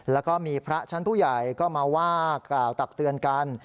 แล้วก็มีพระชั้นผู้ใหญ่ก็มาว่ากล่าวตักเตือนกัน